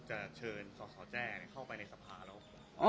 จะเชิญช่อช่อแจ้เนี่ยเข้าไปในสภาเราอ๋อ